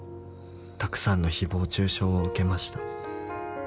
「たくさんの誹謗中傷を受けました」